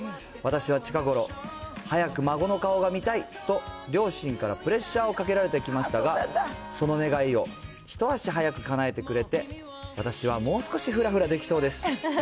私は近頃、早く孫の顔が見たいと両親からプレッシャーをかけられてきましたが、その願いを一足早くかなえてくれて、私はもう少しふらふらできそうです。